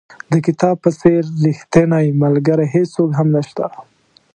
د کتاب په څېر ریښتینی ملګری هېڅوک هم نشته.